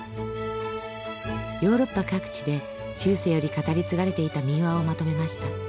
ヨーロッパ各地で中世より語り継がれていた民話をまとめました。